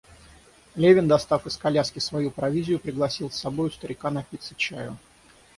Левин, достав из коляски свою провизию, пригласил с собою старика напиться чаю.